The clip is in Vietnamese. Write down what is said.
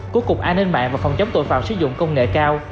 của cục an ninh mạng và phòng chống tội phạm sử dụng công nghệ cao